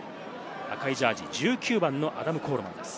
赤いジャージー、１９番のアダム・コールマンです。